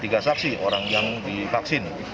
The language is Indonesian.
tiga saksi orang yang divaksin